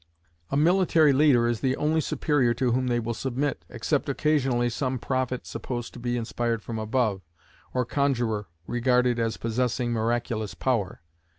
A military leader is the only superior to whom they will submit, except occasionally some prophet supposed to be inspired from above, or conjurer regarded as possessing miraculous power.